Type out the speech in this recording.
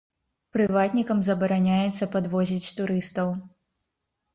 Прыватнікам забараняецца падвозіць турыстаў.